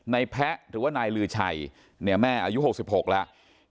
นายแพะหรือว่านายลือชัยเนี่ยแม่อายุหกสิบหกแล้ว